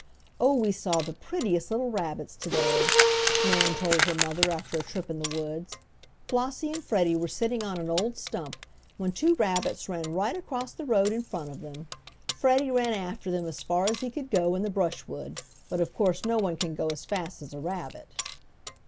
"Oh, we saw the prettiest little rabbits today," Nan told her mother, after a trip in the woods. "Flossie and Freddie were sitting on an old stump when two rabbits ran right across the road in front of them. Freddie ran after them as far as he could go in the brushwood, but of course no one can go as fast as a rabbit."